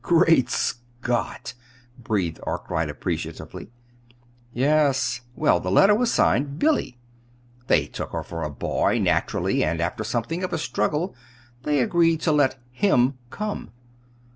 "Great Scott!" breathed Arkwright, appreciatively. "Yes. Well, the letter was signed 'Billy.' They took her for a boy, naturally, and after something of a struggle they agreed to let 'him' come.